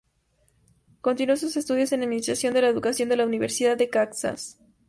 Continuó sus estudios en Administración de la Educación de la Universidad de Kansas.